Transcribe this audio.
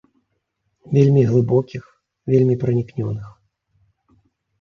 Вельмі глыбокіх, вельмі пранікнёных.